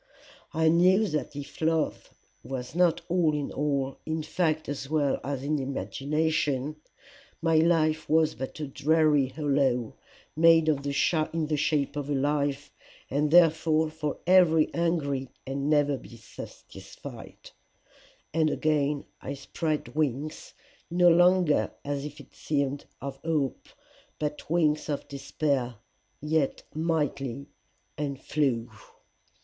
I knew that if love was not all in all, in fact as well as in imagination, my life was but a dreary hollow made in the shape of a life, and therefore for ever hungry and never to be satisfied. And again I spread wings no longer as it seemed of hope, but wings of despair, yet mighty, and flew.